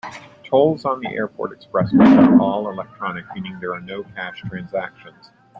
Tolls on the Airport Expressway are all electronic, meaning there are no cash transactions.